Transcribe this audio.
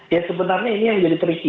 ya sebenarnya ini yang jadi tricky